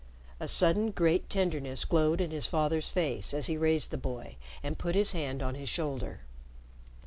A sudden great tenderness glowed in his father's face as he raised the boy and put his hand on his shoulder.